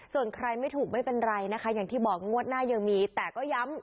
ส่วนใครไม่ถูกไม่เป็นไรนะคะอย่างที่บอกงวดหน้ายังมีแต่ก็ย้ำ